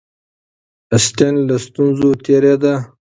اسټن له ستونزو تېرېده.